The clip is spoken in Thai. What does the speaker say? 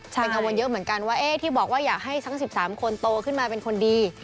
เป็นกังวลเยอะเหมือนกันว่าที่บอกว่าอยากให้ทั้ง๑๓คนโตขึ้นมาเป็นคนดี